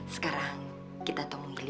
sekarang kita tunggu